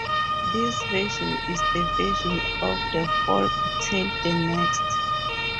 This version is the version of the folk tale the next.